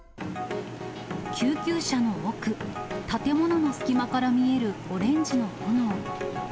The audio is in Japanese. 救急車の奥、建物の隙間から見えるオレンジの炎。